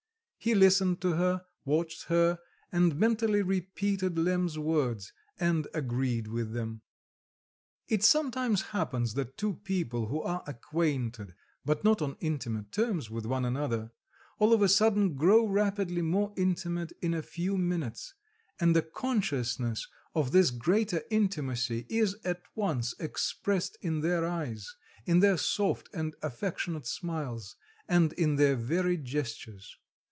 He listened to her, watched her, and mentally repeated Lemm's words, and agreed with them. It sometimes happens that two people who are acquainted, but not on intimate terms with one another, all of sudden grow rapidly more intimate in a few minutes, and the consciousness of this greater intimacy is at once expressed in their eyes, in their soft and affectionate smiles, and in their very gestures.